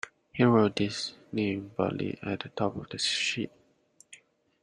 He wrote his name boldly at the top of the sheet.